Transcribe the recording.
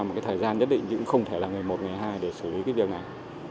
một thời gian nhất định cũng không thể là ngày một ngày hai để xử lý cái điều này